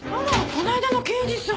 この間の刑事さん。